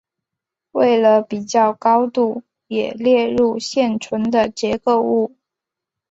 为了比较高度也列入现存的结构物。